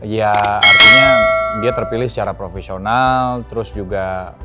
ya artinya dia terpilih secara profesional terus juga